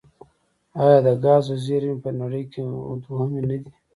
آیا د ګازو زیرمې یې په نړۍ کې دویمې نه دي؟